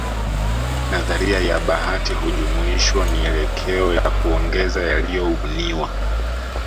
Nadharia ya bahati hujumuishwa mielekeo ya kuongeza yaliyobuniwa